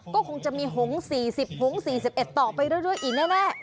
ก็คงจะมีหง๔๐หงษ์๔๑ต่อไปเรื่อยอีกนะแม่